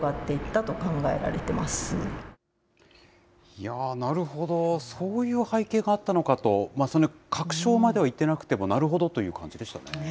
いやー、なるほど、そういう背景があったのかと、確証まではいってなくても、なるほどという感じでしたね。